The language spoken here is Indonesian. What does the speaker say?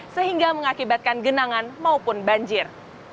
sehingga mengakibatkan genangan maupun banjir